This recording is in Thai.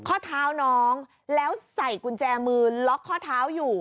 ข้อเท้าน้องแล้วใส่กุญแจมือล็อกข้อเท้าอยู่